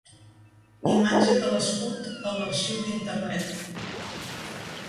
Imatge de l'escut a l'Arxiu d'Internet.